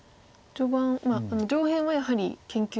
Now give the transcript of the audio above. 序盤まあ上辺はやはり研究